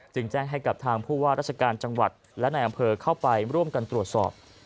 แจ้งให้กับทางผู้ว่าราชการจังหวัดและในอำเภอเข้าไปร่วมกันตรวจสอบ